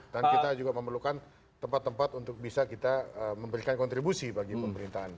dan kita juga memerlukan tempat tempat untuk bisa kita memberikan kontribusi bagi pemerintahan